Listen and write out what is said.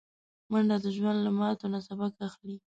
منډه د ژوند له ماتو نه سبق اخلي